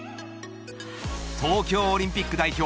東京オリンピック代表